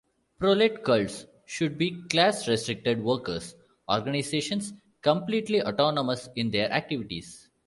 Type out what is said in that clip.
'Proletkults' should be class-restricted, workers' organizations, completely autonomous in their activities.